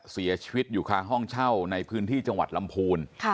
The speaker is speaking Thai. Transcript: เสียชีวิตอยู่ข้างห้องเช่าในพื้นที่จังหวัดลำพูน